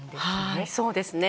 はい、そうですね。